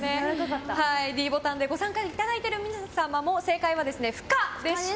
ｄボタンでご参加いただいている皆様も正解は不可でした。